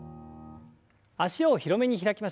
脚を広めに開きましょう。